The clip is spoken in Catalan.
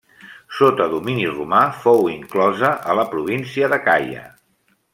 Sota domini romà fou inclosa a la província d'Acaia.